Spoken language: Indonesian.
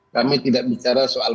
kami tidak bicara soal